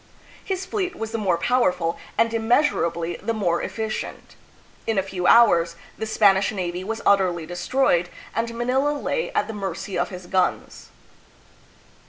His fleet was the more power ful and immeasurably the more efficient. In a few hours the Spanish navy was utterly destroyed and Manila lay at the mercy of his guns.